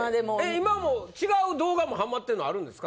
今も違う動画もはまってるのあるんですか？